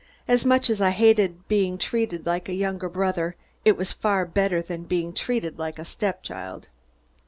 As much as I hated being treated like a younger brother, it was far better than being treated like a stepchild.